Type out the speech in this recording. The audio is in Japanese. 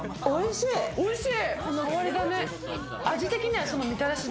おいしい！